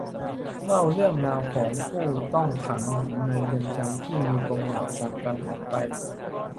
เล่าเรื่องราวของผู้ต้องขังหญิงในเรือนจำที่มีปมหลังต่างกันออกไป